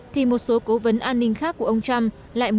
thì một số cố vấn an ninh khác của ông trump đã đưa ra quyết định